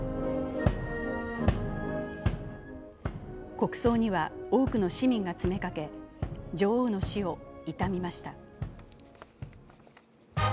国葬には多くの市民が詰めかけ、女王の死を悼みました。